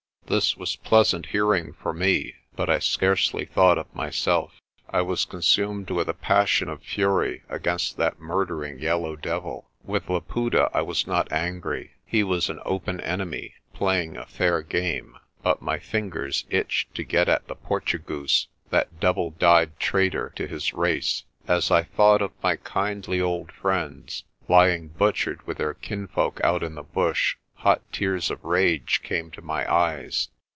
This was pleasant hearing for me but I scarcely thought of myself. I was consumed with a passion of fury against that murdering yellow devil. With Laputa I was not angry; he was an open enemy, playing a fair game. But my fingers itched to get at the Portugoose that double dyed traitor to his race. As I thought of my kindly old friends, lying butchered with their kinsfolk out in the bush, hot tears of rage came to my eyes.